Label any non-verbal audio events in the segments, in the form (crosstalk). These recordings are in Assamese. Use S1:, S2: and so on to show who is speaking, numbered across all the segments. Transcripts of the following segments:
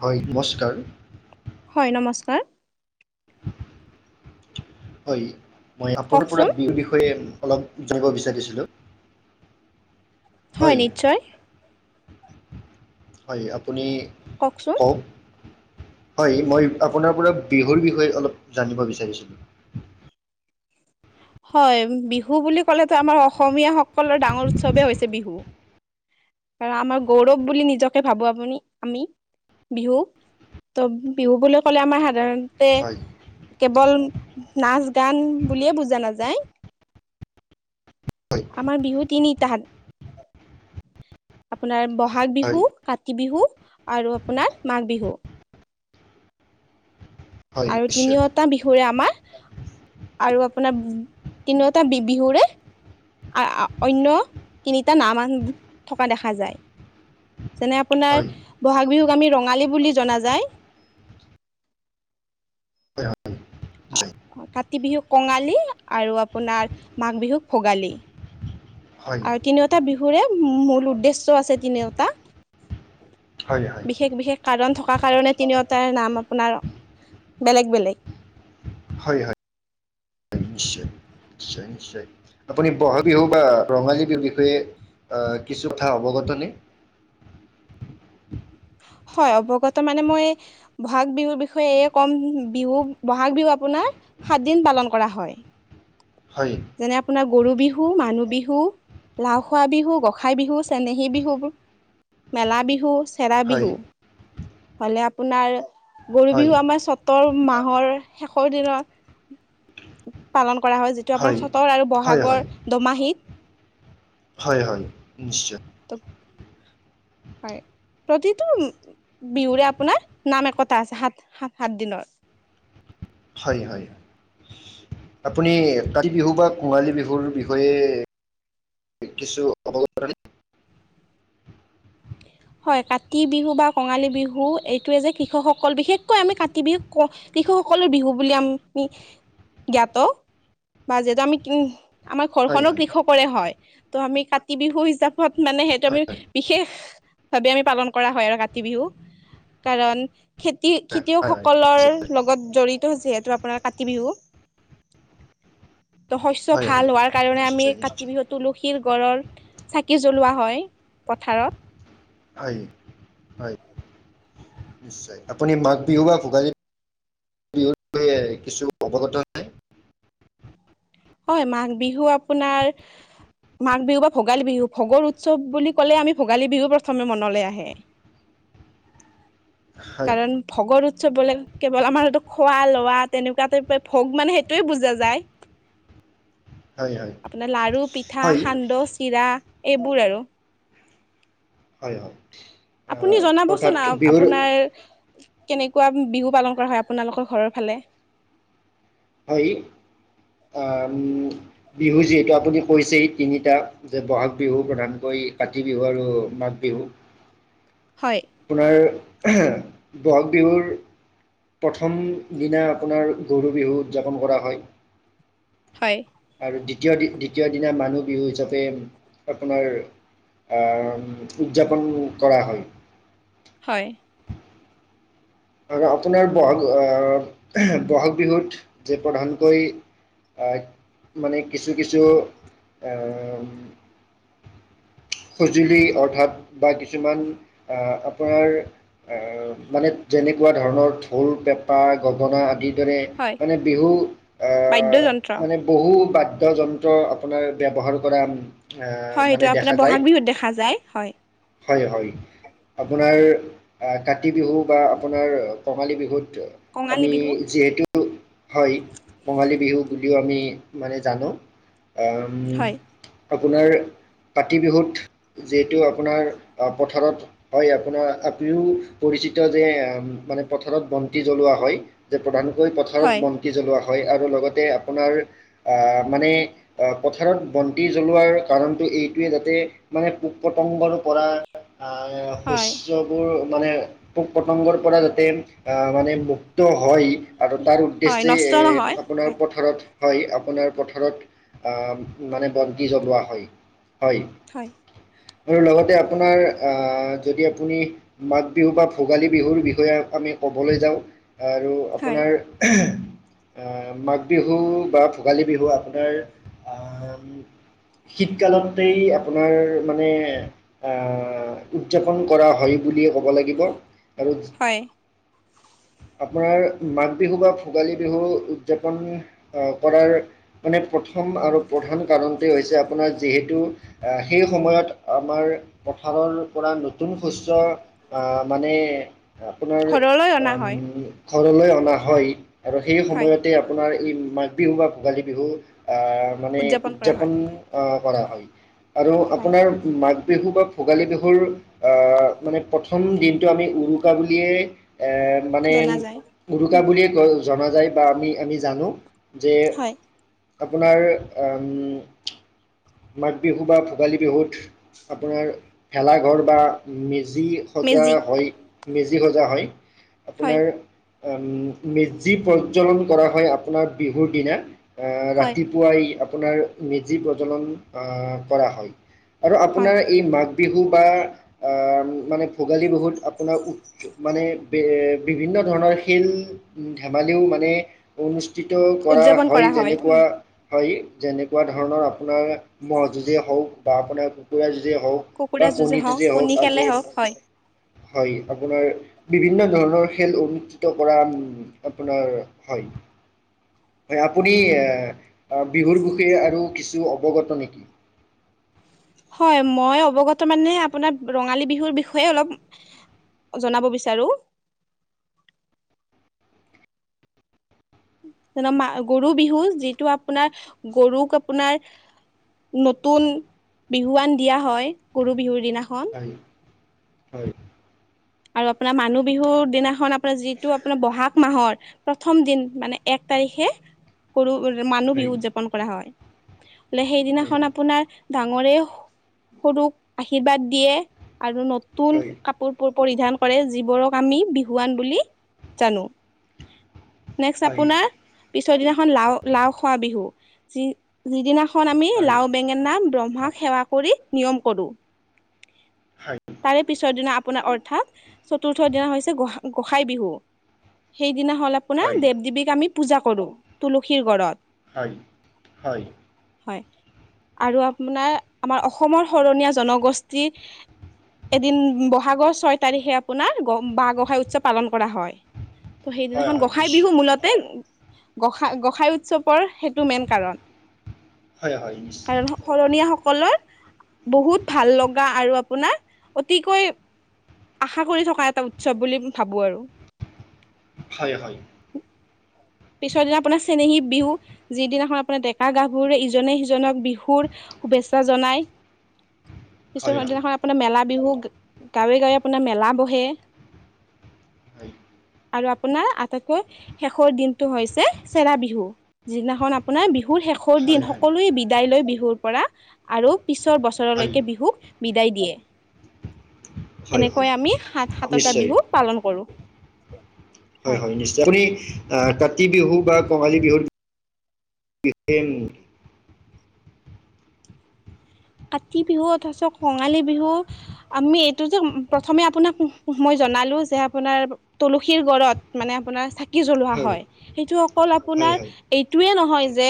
S1: হয়, নমস্কাৰ।
S2: হয়, নমস্কাৰ।
S1: হয়, মই আপোনাৰ পৰা
S2: কওকচোন
S1: বিহুৰ বিষয়ে অলপ জানিব বিচাৰিছিলোঁ? হয়, হয়, আপুনি
S2: কওঁকচোন?
S1: কওক? হয়, মই আপোনাৰ পৰা বিহুৰ বিষয়ে অলপ জানিব বিচাৰিছিলোঁ?
S2: হয়, বিহু বুলি ক'লেতো আমাৰ অসমীয়াসকলৰ ডাঙৰ উৎসৱেই হৈছে বিহু। আমাৰ গৌৰৱ বুলি নিজকে ভাবো, আপুনি আমি বিহু। ত' বিহু বুলি ক'লে আমাৰ সাধাৰণতে
S1: হয়
S2: কেৱল নাচ-গান বুলিয়ে বুজা নাযায়।
S1: হয়
S2: আমাৰ বিহু তিনিটা, তাহা আপোনাৰ বহাগ
S1: হয়
S2: বিহু, কাতি বিহু, আৰু আপোনাৰ মাঘ বিহু।
S1: হয়
S2: আৰু
S1: নিশ্চয়
S2: তিনিওটা বিহুৰে আমাৰ আৰু আপোনাৰ তিনিওটা বি-বিহুৰে (unintelligible) অন্য তিনিটা নাম থকা দেখা যায়। যেনে আপোনাৰ,
S1: হয়
S2: বহাগ বিহুক আমি ৰঙালী বুলি জনা যায়।
S1: হয় হয় (unintelligible)
S2: কাতি বিহুক কঙালী, আৰু আপোনাৰ মাঘ বিহুক ভোগালী।
S1: হয়
S2: আৰু তিনিওটা বিহুৰে মূল উদ্দেশ্য আছে তিনিওটা।
S1: হয় হয় হয়
S2: বিশেষ, বিশেষ কাৰণ থকা কাৰণে তিনিওটাৰ নাম আপোনাৰ বেলেগ বেলেগ।
S1: হয়, হয়। নিশ্চয়, নিশ্চয়, নিশ্চয়। আপুনি বহাগ বিহু বা ৰঙালী বিহুৰ বিষয়ে কিছু কথা অৱগতনে?
S2: হয়, অৱগত মানে মই বহাগ বিহুৰ বিষয়ে এইয়ে কম, বিহু বহাগ বিহু আপোনাৰ সাত দিন পালন কৰা হয়।
S1: হয়।
S2: যেনে আপোনাৰ গৰু বিহু, মানুহ বিহু। লাও খোৱা বিহু, গোঁসাই বিহু, চেনেহী বিহু, মেলা বিহু। চেৰা
S1: হয়
S2: বিহু, হলে আপোনাৰ গৰু
S1: হয়
S2: বিহু আমাৰ (unintelligible) মাহৰ শেষৰ দিনা পালন কৰা হয়, যেতি (unintelligible) চতৰ আৰু
S1: হয় হয়
S2: বহাগৰ
S1: হয়
S2: দোমাহিত।
S1: হয়, হয়, নিশ্চয়।
S2: (inaudible) হয়, প্ৰতিটো বিহুৰে আপোনাৰ নাম একোতা আছে সাত-সাত দিনৰ।
S1: হয় হয় আপুনি কাতি বিহু বা কঙালী বিহুৰ বিষয়ে কিছু (unintelligible)
S2: হয় কাতি বিহু বা কঙালী বিহু এইটোৱে যে কৃষকসকল বিশেষকৈ আমি কাতি বিহুক ক কিশুসকলৰ বিহু বুলি আমি জ্ঞাত বা যিহেতু আমি কি আমাৰ
S1: হয়
S2: ঘৰখনো
S1: হয়
S2: কৃষকৰে হয় ত' আমি কাতি বিহু হিচাপত মানে সেইটো
S1: হয়
S2: আমি
S1: হয়
S2: বিশেষ ভাৱে আমি পালন কৰা হয় আৰু কাতি বিহু কাৰণ খেতি
S1: হয় হয়
S2: খেতিয়কসকলৰ লগত লগত জড়িত হৈছে যিহেতু আপোনাৰ কাতি বিহু ত শস্য
S1: হয়
S2: ভাল
S1: হয়
S2: হোৱাৰ কাৰণে আমি
S1: নিশ্চয়
S2: কাতি
S1: নিশ্চয়
S2: বিহুত তুলসীৰ গডৰ চাকি জ্বলোৱা হয় পথাৰত
S1: হয় হয় নিশ্চয় আপুনি মাঘ বিহু বা ভোগালী বি বিহুত কিছু অৱগত নে
S2: হয় মাঘ বিহু আপোনাৰ মাঘ বিহু বা ভোগালী বিহু ভোগৰ উৎসৱ বুলি ক'লে আমি ভোগালী বিহু প্ৰথমে মনলৈ আহে
S1: (inaudible)
S2: কাৰণ ভোগৰ উৎসৱ বোলে কেৱল আমাৰ এটো খোৱা লোৱা তেনেকুৱাতে ভোগ মানে সেইটোৱে বুজা যায়
S1: হয় হয়
S2: আপোনাৰ লাৰু পিঠা
S1: হয়
S2: সান্দহ চিৰা এইবোৰ আৰু
S1: হয় হয়
S2: আপুনি
S1: অৰ্থাৎ
S2: জনাবচোন
S1: বিহুৰ
S2: আপোনাৰ কেনেকুৱা বিহু পালন কৰা হয় আপোনালোকৰ ঘৰৰ ফালে
S1: হয় আম বিহু যিহেতু আপুনি কৈছে তিনিটা যে বহাগ বিহু প্ৰধানকৈ কাতি বিহু আৰু মাঘ বিহু
S2: হয়
S1: আপোনাৰ বহাগ বিহুৰ প্ৰথম দিনা আপোনাৰ গৰু বিহু উদযাপন কৰা হয়
S2: হয়
S1: আৰু দ্বিতীয় দ্বিতীয় দিনা মানুহ বিহু হিচাপে আপোনাৰ আহ উদযাপন কৰা হয়
S2: হয়
S1: আৰু আপোনাৰ বহাগ ব'হাগ বিহুত যে প্ৰধানকৈ আ মানে কিছু কিছু আম (unintelligible) সঁজুলি অৰ্থাৎ বা কিছুমান আপোনাৰ মানে যেনেকুৱা ধৰণৰ ঢৌল পেঁপা গগনা আদিত যেনে
S2: হয়,
S1: মানে বিহু অহ
S2: বাদ্যযন্ত্ৰ
S1: মানে বহু বাদ্যযন্ত্ৰ আপোনাৰ ব্যৱহাৰ কৰা আহ
S2: হয় সেইটো
S1: মানে দেখা
S2: আপোনাৰ
S1: যায়
S2: বহাগ বিহুত দেখা যায় হয়।
S1: হয় হয় আপোনাৰ কাতি বিহু বা আ কঙালী বিহুত
S2: কঙালী
S1: আমি
S2: বিহু
S1: যিহেতু হয় কঙালী বিহু বুলিও আমি মানে জানো অ উম
S2: হয়,
S1: আপোনাৰ কাতি বিহুত যিহেতু আপোনাৰ পথাৰত হয় আপোনাৰ আপুনিও পৰিচিত যে মানে পথাৰত বন্তি জ্বলোৱা হয় যে প্ৰধানকৈ পথাৰত
S2: হয়,
S1: ব চাকি জ্বলোৱা হয় আৰু লগতে আপোনাৰ আ মানে আহ পথাৰত বন্তি জ্বলোৱাৰ কাৰণতটো এইটোৱে যাতে মানে পোক পতংগৰ পৰা আহ
S2: হয়,
S1: শস্যবোৰ মানে পোক পতংগত পৰা যাতে আহ মানে মুক্ত হয় আৰু তাৰ
S2: হয়
S1: উদ্দেশ্যে
S2: নষ্ট
S1: এ,
S2: নহয়।
S1: আপোনাৰ
S2: হয়,
S1: পথাৰত হয় আপোনাৰ পথাৰত অ' মানে বন্তি জ্বলোৱা হয় হয়। আৰু লগতে আপোনাৰ অ' যদি আপুনি মাঘ বিহু বা ভোগালী বিহুৰ বি আমি ক'বলৈ যাওঁ আৰু
S2: হয়,
S1: আপোনাৰ মাঘ বিহু বা ভোগালী বিহু আপোনাৰ অম শীতকালতেই আপোনাৰ মানে অহ, উদযাপন কৰা হয় বুলিয়ে ক'ব লাগিব, আৰু
S2: হয়
S1: আপোনাৰ মাঘ বিহু বা ভোগালী বিহু উদযাপন অ' কৰাৰ মানে প্ৰথম আৰু প্ৰধান কাৰণটোৱে হৈছে আপোনাৰ যিহেতু সেই সময়ত আমাৰ পথাৰৰ পৰা নতুন শস্য অ' মানে আপোনাৰ
S2: ঘৰলৈ অনা
S1: অম
S2: হয়,
S1: ঘৰলৈ অনা হয় আৰু সেই
S2: হয়
S1: সময়ত (unintelligible) আপোনাৰ এই মাঘ বিহু বা ভোগালী বিহু অ' মানে
S2: কৰা
S1: উদযাপন
S2: হয়।
S1: অ' কৰা হয় আৰু
S2: হয়,
S1: আপোনাৰ মাঘ বিহু বা ভোগালী বিহুৰ অ' মানে প্ৰথম দিনটো আমি উৰু (unintelligible) বুলিয়ে এ, মানে
S2: জনা যায়।
S1: উৰুকা
S2: উম,
S1: বুলিয়েই জনা যায় বা আমি আমি জানো যে
S2: হয়
S1: আপোনাৰ অম, মাঘ বিহু বা ভোগালী বিহুত আপোনাৰ ভেলাঘৰ বা মেজি সজা
S2: মেজি
S1: হয়। মেজি সজা হয়
S2: হয়,
S1: আপোনাৰ অম, মেজি প্ৰজ্বলন কৰা হয় আপোনাৰ বিহুৰ দিনা অ'
S2: হয়,
S1: ৰাতি পুৱাই আপোনাৰ মেজি প্ৰজ্বলন অ' কৰা হয়, আৰু
S2: হয়
S1: আপোনাৰ এই মা বিহু বা অ' মানে ভোগালী বিহুত আপোনাৰ উৎ মানে বে বিভিন্ন ধৰণৰ খেল ধেমালিও মানে অনুষ্ঠিত কৰা হয় যেনেকুৱা হয় যেনেকুৱা ধৰণৰ আপোনাৰ ম'হ যুঁজই হওঁক বা আপোনাৰ কুকুৰা যুঁজই হওঁক। বা
S2: কুকুৰা যুঁজে
S1: কণী
S2: হওক,
S1: যুজে হওঁক
S2: কণী খেলে
S1: আজি,
S2: হওক হয়।
S1: হয়। আপোনাৰ বিভিন্ন ধৰণৰ খেল অনুষ্ঠিত কৰা আপোনাৰ হয়। হয় আপুনি বিহুৰ বিষয়ে আৰু কিছু অৱগত নেকি।
S2: হয় মই অৱগত মানে আপোনাক ৰঙালী বিহুৰ বিষয়ে অলপ জনাব বিচাৰোঁ। মা- গৰু বিহু যিটো আপোনাৰ গৰুক আপোনাৰ নতুন বিহুৱান দিয়া হয় গৰু বিহুৰ দিনাখন।
S1: হয় হয়।
S2: আৰু আপোনাৰ মানুহ বিহুৰ দিনাখন আপোনাৰ যিটো আপোনাৰ বহাগ মাহৰ প্ৰথম দিন মানে এক তাৰিখে গৰু ৰ-মানুহ
S1: হয়
S2: বিহু উদযাপন কৰা হয়, মানে সেইদিনাখন আপোনাৰ ডাঙৰে সৰুক আশীৰ্বাদ দিয়ে আৰু
S1: হয়
S2: নতুন
S1: হয়
S2: কাপোৰ পুৰ পৰিধান কৰে যিবোৰক আমি বিহুৱান বুলি জানো। নেক্স
S1: হয়
S2: আপোনাৰ পিছৰ দিনাখন লা লাও খোৱা বিহু, যি যিদিনাখন আমি লাও বেঙেনা ব্ৰহ্মাক সেৱা কৰি নিয়ম কৰোঁ।
S1: (unintelligible)
S2: তাৰে পিছৰ দিনা আপোনাৰ অৰ্থাৎ চতুৰ্থ দিনা হৈছে গো গোসাই বিহু। সেইদিনা হ'ল আপোনাৰ
S1: হয় হয়
S2: দেৱ দেৱীক আমি পূজা কৰোঁ তুলসীৰ গৰত।
S1: হয়, হয়।
S2: হয় আৰু আপোনাৰ আমাৰ অসমৰ শৰণীয়া জনগোষ্ঠী এদিন বহাগৰ ছয় তাৰিখে আপোনাৰ গ বাঁহ গোঁসাই উৎসৱ পালন কৰা হয়। ত'
S1: হয়
S2: সেইদিনাখন
S1: হয়
S2: গোঁসাই বিহু
S1: নিশ্চয়
S2: মূলতে গোঁসাই গোঁসাই উৎসৱৰ সেইটো মেইন কাৰণ।
S1: হয় হয় নিশ্চয়।
S2: শৰণীয়াসকলৰ বহুত ভাল লগা আৰু আপোনাৰ অতিকৈ আশা কৰি থকা এটা উৎসৱ বুলি ভাবো আৰু।
S1: হয়, হয়।
S2: পিছৰ দিনা আপোনাৰ চেনেহী বিহু যিদিনাখন আপোনাৰ ডেকা গাভৰু ইজনে সিজনক বিহুৰ শুভেচ্ছা জনাই।
S1: (inaudible)
S2: পিছৰ দিনাখন আপোনাৰ মেলা বিহু গাঁৱে গাঁৱে আপোনাৰ মেলা বহে।
S1: হয়।
S2: আৰু আপোনাৰ আটাইতকৈ শেষৰ দিনটো হৈছে চেৰা বিহু যিদিনাখন আপোনাৰ বিহুৰ শেষ
S1: হয়
S2: সৰু দিন
S1: হয়
S2: সকলোৱে বিদায় লৈ বিহুৰ পৰা আৰু পিছৰ
S1: হয়
S2: বছৰলৈকে বিহুক বিদায় দিয়ে
S1: হয় হয়
S2: এনেকৈ আমি সাত সাতটা
S1: নিশ্চয়
S2: বিহুক পালন কৰো।
S1: হয়, হয় নিশ্চয়। আপুনি আহ কাতি বিহু বা কঙালী বিহুৰ (unintelligible)
S2: কাতি বিহু তাৰপিছত কঙালী বিহু আমি এইটো যে প্ৰথমে আপোনাক মই জনালো যে আপোনাৰ তুলসীৰ গড়ত মানে আপোনাৰ চাকি জ্বলোৱা হয় সেইটো অকল
S1: হয়
S2: আপোনাৰ
S1: হয়
S2: এইটোয়ে নহয় যে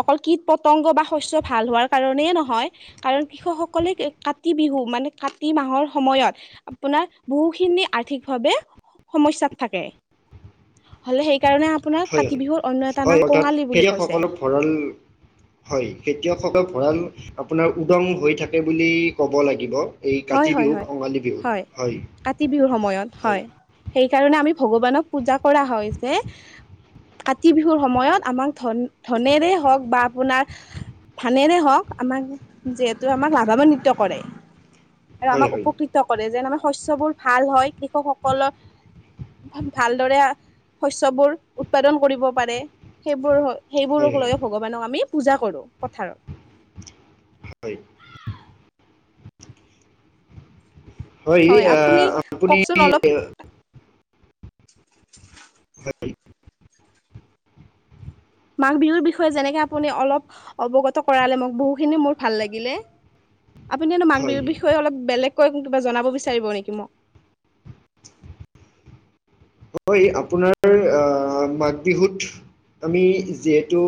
S2: অকল কীট পতংগ বা শস্য ভাল হোৱাৰ কাৰণেই নহয় হয় কাৰণ কৃষকসকলে কাতি বিহু মানে কাতি মাহৰ সময়ত আপোনাৰ বহু খিনি আৰ্থিক ভাৱে সমস্যাত থাকে। হলে সেইকাৰণে আপোনাৰ
S1: হয় হয়
S2: কাতি বিহুৰ অন্য এটা নাম কঙালী বুলি কৈছে।
S1: ফৰল (unintelligible) হয় খেতিয়কসকল ভঁৰাল আপোনাৰ উদং হৈ থাকে বুলি ক'ব লাগিব। এই
S2: হয়,
S1: কাতি
S2: হয়,
S1: বিহু
S2: হয়,
S1: কঙালী বিহু
S2: হয় কাতি বিহুৰ সময়ত হয়। সেই কাৰণে আমি ভগৱানক পূজা কৰা হয় যে কাতি বিহুৰ সময়ত আমাক ধন ধনেৰে হওক বা আপোনাৰ ধানেৰে হওক আমাক যিহেতু আমাক লাভানান্বিত কৰে। আৰু
S1: হয়
S2: আমাক
S1: হয় হয়
S2: উপকৃত কৰে যেন আমাৰ শস্য বোৰ ভাল হয় কৃষকসকলৰ ভালদৰে শস্যবোৰ উৎপাদন কৰিব পাৰে সেইবোৰ
S1: হয়
S2: সেইবোৰক লৈ ভগৱানক আমি পূজা কৰো পথাৰত।
S1: হয়। হয় এই
S2: আপুনি
S1: আপুনি
S2: কওকচোন অলপ
S1: (unintelligible) হয় (unintelligible)
S2: মাঘ বিহুৰ বিষয়ে যেনেকে আপুনি অলপ অৱগত কৰালে মোক বহু খিনি মোৰ ভাল লাগিলে। আপুনি মাঘ
S1: হয়
S2: বিহুৰ বিষয়ে অলপ বেলেগকৈ কিবা জনাব বিচাৰিব নেকি মোক।
S1: হয় আপোনাৰ আহ মাঘ বিহুত আমি যিহেতু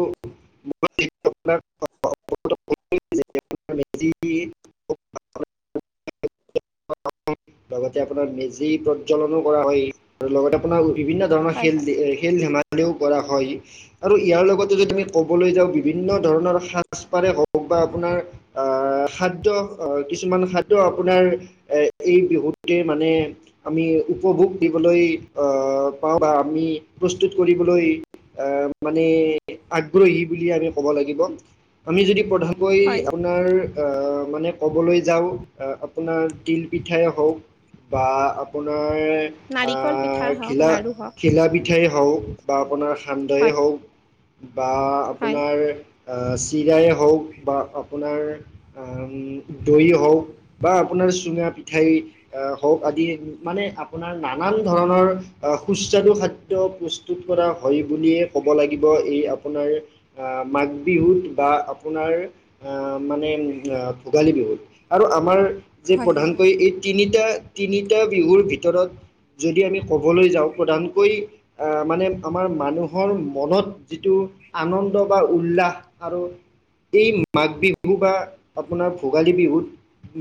S1: (unintelligible) লগতে আপোনাৰ মেজি প্ৰজ্বলনো কৰা হয়। আৰু লগতে আপোনাৰ বিভিন্ন ধৰণৰ
S2: হয়
S1: খেল
S2: হয়।
S1: খেল ধেমালিও কৰা হয়। আৰু ইয়াৰ লগতে যদি আমি ক'বলৈ যাওঁ বিভিন্ন ধৰণৰ সাজ পাৰে হওক বা আপোনাৰ আহ খাদ্য আহ কিছুমান খাদ্য আপোনাৰ এ এই বিহুতে মানে আমি উপভোগ দি বলৈ পাও আমি প্ৰস্তুত কৰিবলৈ আহ মানে আগ্ৰহী বুলিয়ে আমি ক'ব লাগিব আমি যদি প্ৰধান কৈ
S2: হয়,
S1: আপোনাৰ আহ মানে ক'বলৈ যাওঁ আপোনাৰ তিল পিঠাই হওক বা আপোনাৰ
S2: নাৰিকল পিঠা
S1: আহ
S2: হওক,
S1: ঘিলা
S2: লাডু হওক,
S1: ঘিলা পিঠাই হওক বা আপোনাৰ সান্দহেইে
S2: হয়
S1: হওক বা
S2: হয়।
S1: আপোনাৰ চিৰাই হওক বা আপোনাৰ উম দৈ হওক বা আপোনাৰ চুঙা পিঠাই এ হওক আদি মানে আপোনাৰ নানান ধৰণৰ অ সুস্বাদু খাদ্য পস্ত স্তুত কৰা হয় বুলিয়ে ক'ব লাগিব এই আপোনাৰ আ মাঘ বিহুত বা আপোনাৰ আ মানে আ ভোগালী বিহুত আৰু আমাৰ যে
S2: হয় হয় হয়।
S1: প্ৰধানকৈ এই তিনিটা তিনিটা বিহুৰ ভিতৰত যদি আমি ক'বলৈ যাওঁ প্ৰধানকৈ আ মানে আমাৰ মানুহৰ মনত যিটো আনন্দ বা উল্লাস আৰু এই মাঘ বিহু বা আপোনাৰ ভোগালী বিহুত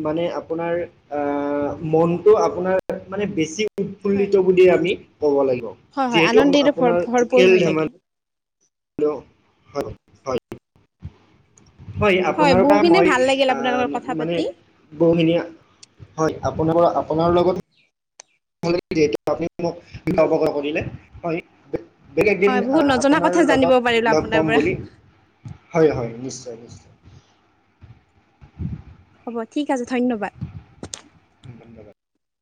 S1: মানে আপোনাৰ আ মনটো আপোনাৰ মানে বেছি
S2: হয়,
S1: উৎফুল্লিত বুলিয়ে আমি ক'ব লাগিব
S2: হয় হয়
S1: যিহেতু
S2: আনন্দেৰে ভৰ
S1: আপোনাৰ
S2: ভৰপূৰ
S1: খেল
S2: হৈ থাকে।
S1: ধেমালি হেল্ল' হয় হয় হয় আপোনাৰ পৰা মই
S2: বহুখিনিয়ে ভাল লাগিল
S1: আ
S2: আপোনাৰ লগত কথা
S1: মানে
S2: পাতি।
S1: বহুখিনিয়ে হয় আপোনাৰ পৰা আপোনাৰ লগত আপুনি মোক কৰিলে হয় বেলেগ দিন
S2: হয় বহুত নজনা
S1: আপোনাৰ
S2: কথা জানিব
S1: লগত
S2: পাৰিলো
S1: লগ
S2: আপোনাৰ
S1: পাম
S2: পৰা,
S1: বুলি হয় হয় নিশ্চয় নিশ্চয়
S2: হ'ব ঠিক আছে ধন্যবাদ
S1: ধন্যবাদ